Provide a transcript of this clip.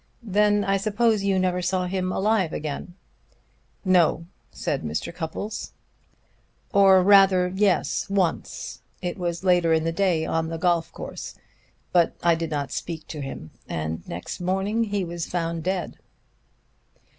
"Then I suppose you never saw him alive again?" "No," said Mr. Cupples. "Or rather, yes once. It was later in the day, on the golf course. But I did not speak to him. And next morning he was found dead."